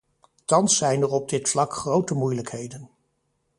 Thans zijn er op dit vlak grote moeilijkheden.